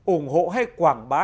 ủng hộ hay quảng bá